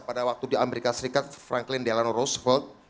pada waktu di amerika serikat franklin delano roosevelt